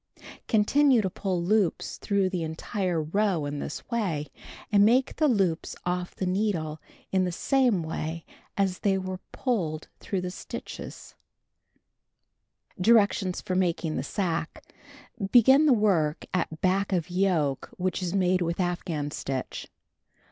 Cut 4. Continue to pull loops through the entire row in this way, and take the loops off the needle in the same way as they were pulled through the stitches in Cuts 2 and 3. Directions for Making the Sacque: Begin the work at back of yoke which is made with afghan stitch.